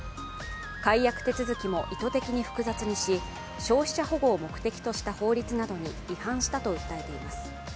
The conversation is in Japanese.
解約手続きも、意図的に複雑にし消費者保護を目的とした法律などに違反したと訴えています。